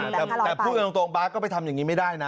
แต่พูดจริงบาสก็ไปทำอย่างนี้ไม่ได้นะ